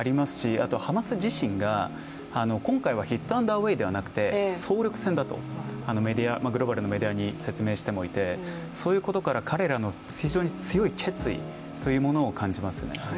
あとハマス自身が、今回はヒットアンドアウェーではなくて総力戦だと、グローバルなメディアに説明してもいて、そういうことからも彼らの非常に強い決意というものを感じますね。